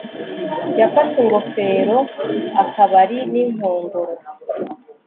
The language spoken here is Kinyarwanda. Yafashwe ingofero akabari ninkongoro